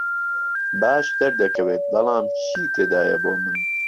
باش دەردەکەوێت، بەڵام چی تێدایە بۆ من؟